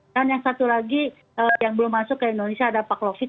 dan yang satu lagi yang belum masuk ke indonesia ada paclofit